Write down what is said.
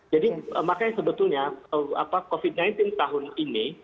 jadi makanya sebetulnya apa covid sembilan belas tahun ini